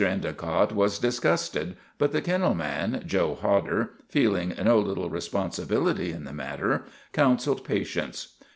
Endicott was disgusted, but the kennel man, Joe Hodder, feeling no little responsibility in the matter, counseled pa tience.